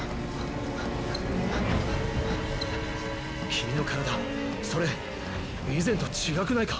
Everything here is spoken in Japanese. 君の身体それ以前と違くないか？